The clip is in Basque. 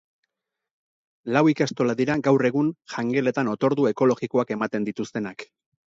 Lau ikastola dira gaur egun jangeletan otordu ekologikoak ematen dituztenak.